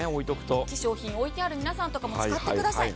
化粧品置いてある皆さんとかも使ってください。